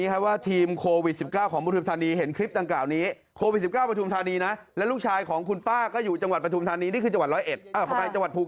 สหรัฐศูกร์สามารถโทรหาโรงพยาบาลสนามได้